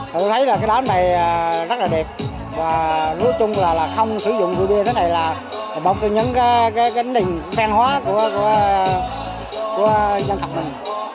tôi thấy là cái đám này rất là đẹp và nối chung là không sử dụng rượu bia thế này là một trong những cái đình khen hóa của dân tộc này